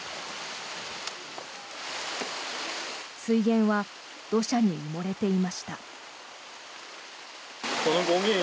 水源は土砂に埋もれていました。